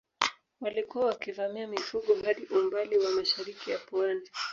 Walikuwa wakivamia mifugo hadi umbali wa mashariki ya Pwani